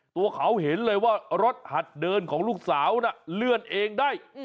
ตัวเขาเห็นเลยว่ารถหัดเดินของลูกสาวน่ะเลื่อนเองได้